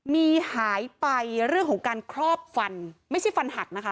มีหายไปเรื่องของการครอบฟันไม่ใช่ฟันหักนะคะ